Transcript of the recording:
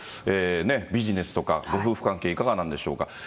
ね、ビジネスとかご夫婦関係、いかがなんでしょうか。